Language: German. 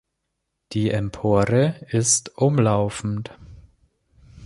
Die Empore ist umlaufend.